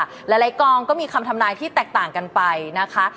หลายกองก็มีคำทำนายที่แตกต่างกันไปนะคะ